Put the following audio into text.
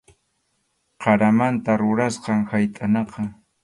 Qaramanta rurasqam haytʼanaqa.